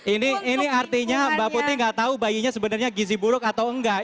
ini artinya mbak putri tidak tahu bayinya sebenarnya gizi buruk atau tidak